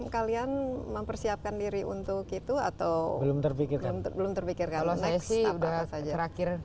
kalian mempersiapkan diri untuk itu atau belum terpikir belum terpikir kalau saya sih udah terakhir